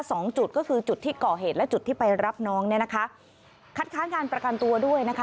สองจุดก็คือจุดที่ก่อเหตุและจุดที่ไปรับน้องเนี่ยนะคะคัดค้านการประกันตัวด้วยนะคะ